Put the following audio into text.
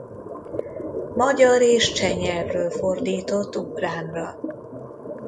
Magyar és cseh nyelvről fordított ukránra.